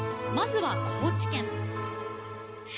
まずは高知県。